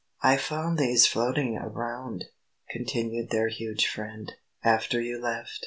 "I found these floating around," continued their huge friend, "after you left.